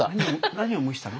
何を蒸したの？